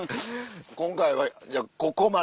今回はじゃあここまで。